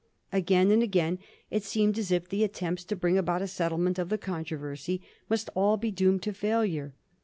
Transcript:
Again and again it seemed as if the attempts to bring about a settlement of the controversy must all be doomed to failure.